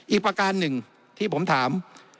อีกประการหนึ่งที่ผมถาม